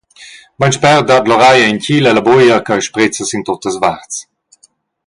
Beinspert dat Loraia en tgil ella buglia ch’ei sprezza sin tuttas varts.